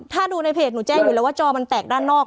ถ้าดูในเพจหนูแจ้งอยู่แล้วว่าจอมันแตกด้านนอก